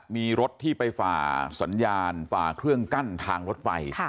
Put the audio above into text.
มีรถที่ไปฝ่าสัญญาณฝ่าเครื่องกั้นทางรถไฟ